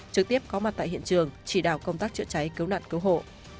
trực tiếp có mặt tại hiện trường chỉ đạo công tác chữa cháy cấu nạn cấu hộ